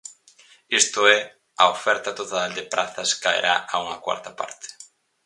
Isto é, a oferta total de prazas caerá a unha cuarta parte.